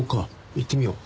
行ってみよう。